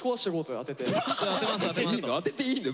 当てていいんだよ